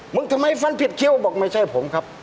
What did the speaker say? ทำไมฟันผิดคิ้วบอกไม่ใช่ผมครับ